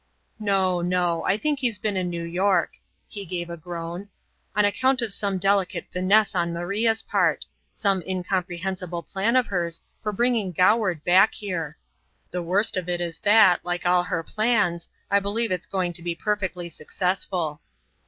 "No, no. I think he's been in New York" he gave a groan "on account of some delicate finesse on Maria's part, some incomprehensible plan of hers for bringing Goward back here. The worst of it is that, like all her plans, I believe it's going to be perfectly successful."